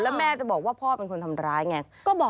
แล้วแม่จะบอกว่าพ่อเป็นคนทำร้ายไง